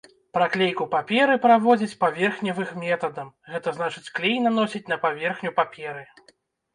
Праклейку паперы праводзяць паверхневых метадам, гэта значыць клей наносяць на паверхню паперы.